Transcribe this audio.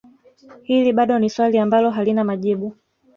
Hili bado ni swali ambalo halina majibu